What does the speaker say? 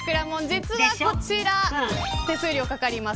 実はこちら手数料かかります。